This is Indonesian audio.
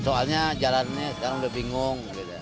soalnya jalannya sekarang udah bingung